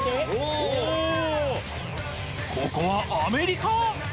ここはアメリカ？